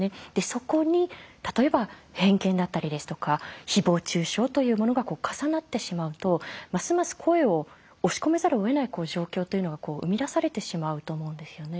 そこに例えば偏見だったりですとか誹謗中傷というものが重なってしまうとますます声を押し込めざるをえない状況というのが生み出されてしまうと思うんですよね。